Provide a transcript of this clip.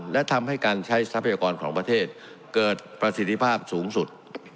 และทำให้การใช้ทรัพยากรของประเทศเกิดประสิทธิภาพสูงสุด